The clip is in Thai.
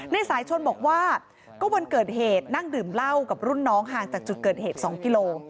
นายสายชนบอกว่าก็วันเกิดเหตุนั่งดื่มเหล้ากับรุ่นน้องห่างจากจุดเกิดเหตุ๒กิโล